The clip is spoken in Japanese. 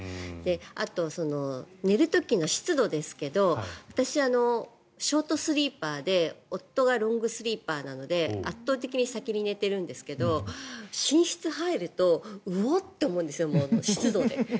あと、寝る時の湿度ですけど私はショートスリーパーで夫がロングスリーパーなので圧倒的に先に寝ているんですけど寝室に入るとうおって思うんですよ、湿度で。